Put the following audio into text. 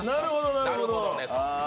なるほどねと。